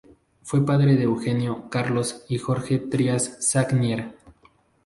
Fue padre de Eugenio, Carlos y Jorge Trías Sagnier.